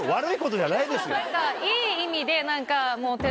いい意味で何か。